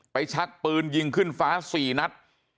ชักปืนยิงขึ้นฟ้า๔นัด